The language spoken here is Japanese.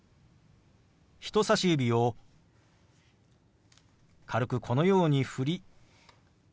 人さし指を軽くこのように振りＷｈ